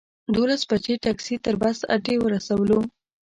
دولس بجې ټکسي تر بس اډې ورسولو.